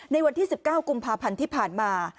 ในวันที่๑๙กุมภาพันธ์ที่ผ่านมา